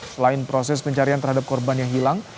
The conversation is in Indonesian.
selain proses pencarian terhadap korban yang hilang